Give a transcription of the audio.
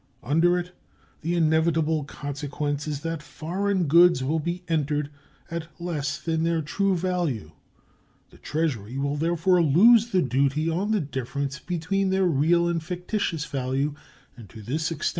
Under it the inevitable consequence is that foreign goods will be entered at less than their true value. The Treasury will therefore lose the duty on the difference between their real and fictitious value, and to this extent we are defrauded.